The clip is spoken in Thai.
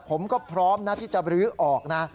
ผมก็พร้อมนะที่จะบรื้อออกนะ